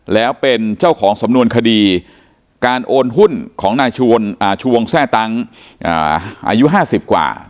แล้วเป็นเจ้าของสำนวนคดีการโอนหุ้นของนายชูวงแทร่ตั้งอายุ๕๐กว่า